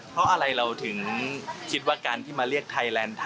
เพราะอะไรเราถึงคิดว่าการที่มาเรียกไทยแลนด์ไทย